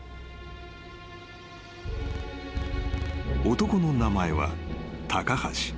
［男の名前は高橋］